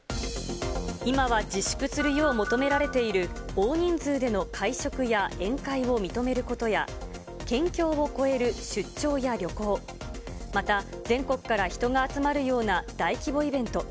今は自粛するよう求められている大人数での会食や宴会を認めることや、県境を越える出張や旅行、また全国から人が集まるような大規模イベント。